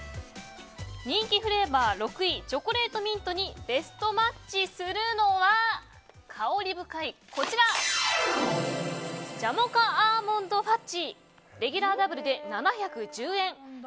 人気フレーバー６位チョコレートミントにベストマッチするのは香り深いジャモカアーモンドファッジレギュラーダブルで７１０円。